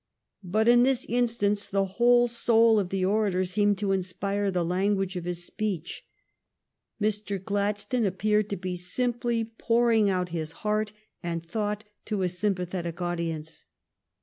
But in this instance the whole soul of the orator seemed to inspire the language of his speech. Mr. Gladstone appeared to be simply pouring out his heart and thought to a sympathetic audience.